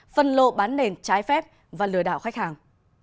phân lô bán nền trái phép và lừa đảo khách hàng